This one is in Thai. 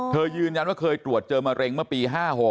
ยืนยันว่าเคยตรวจเจอมะเร็งเมื่อปี๕๖